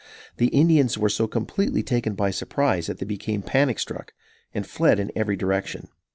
The Indians were so completely taken by surprise, that they became panic struck and fled in every direction.